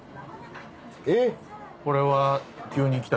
えっ？